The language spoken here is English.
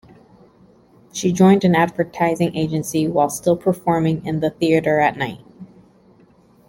She joined an advertising agency while still performing in the theatre at night.